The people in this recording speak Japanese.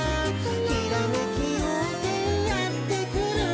「ひらめきようせいやってくる」